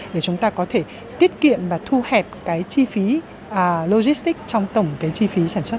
để chúng ta có thể tiết kiệm và thu hẹp cái chi phí logistics trong tổng cái chi phí sản xuất